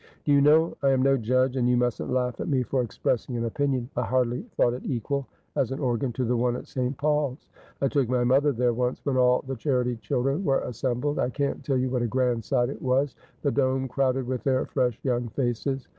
'Do you know — I am no judge, and you mustn't laugh at me for expressing an opinion — I hardly thought it equal, as an organ, to the one at St. Paul's. I took my mother there once when all the charity children were assembled. I can't tell you what a grand sight it was, the dome crowded with their fresh young faces.'